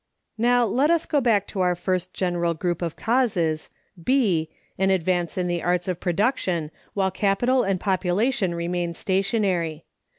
Now, let us go back to our first general group of causes, B—an advance in the arts of production (while capital and population remain stationary).